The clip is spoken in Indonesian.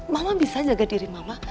mama bisa jaga diri mama